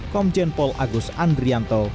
komjen pol agus andrianto